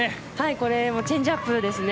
これチェンジアップですね。